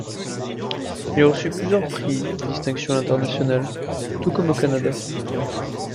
Il a reçu plusieurs prix et distinctions à l'international tout comme au Canada.